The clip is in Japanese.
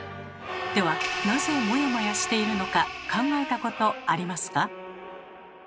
ではなぜモヤモヤしているのか考えたことありますか？